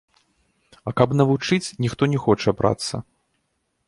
А каб навучыць, ніхто не хоча брацца.